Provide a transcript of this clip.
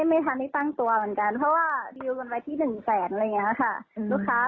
ไม่ทันที่ตั้งตัวเหมือนกัน